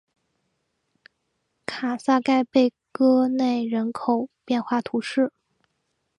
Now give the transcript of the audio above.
卡萨盖贝戈内人口变化图示